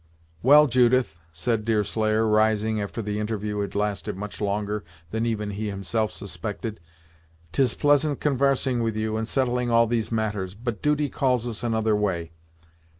"Well, Judith," said Deerslayer, rising, after the interview had lasted much longer than even he himself suspected, "'tis pleasant convarsing with you, and settling all these matters, but duty calls us another way.